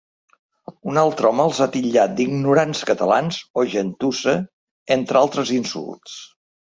Un altre home els ha titllat d’ignorants catalans’ o ‘gentussa’, entre altres insults.